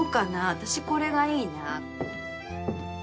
私これがいいな。